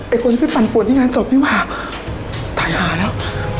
คนที่ปั่นปวดที่งานศพนี่ว่าถ่ายหาแล้ว